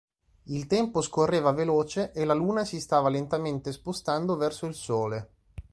Il tempo scorreva veloce e la luna si stava lentamente spostando verso il sole.